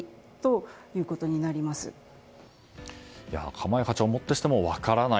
鎌谷課長をもってしても分からない。